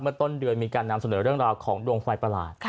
ต้นเดือนมีการนำเสนอเรื่องราวของดวงไฟประหลาด